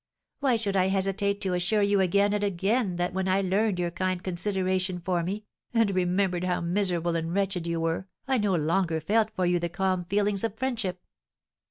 "Why should I hesitate to assure you again and again that when I learned your kind consideration for me, and remembered how miserable and wretched you were, I no longer felt for you the calm feelings of friendship?